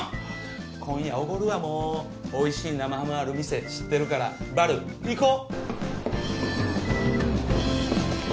今夜おごるわもうおいしい生ハムある店知ってるからバル行こう！